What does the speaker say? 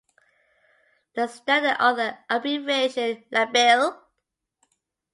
The standard author abbreviation Labill.